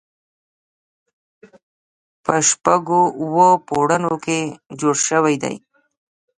په شپږو اوو پوړونو کې جوړ شوی دی.